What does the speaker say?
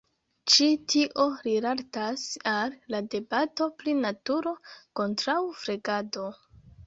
Ĉi tio rilatas al la debato pri naturo kontraŭ flegado.